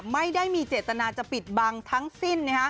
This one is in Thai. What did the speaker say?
ไม่ได้มีเจตนาจะปิดบังทั้งสิ้น